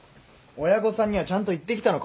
親御さんにはちゃんと言ってきたのか？